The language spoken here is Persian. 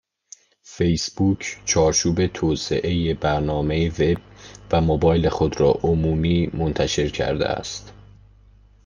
فیسبوک، چارچوب توسعه برنامه وب و موبایل خود را عمومی منتشر کرده است